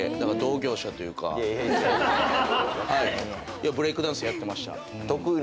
ようブレイクダンスやってました。